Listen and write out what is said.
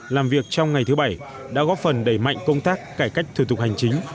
làm việc trong ngày thứ bảy đã góp phần đẩy mạnh công tác cải cách thủ tục hành chính